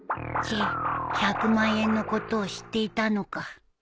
ちぇっ１００万円のことを知っていたのか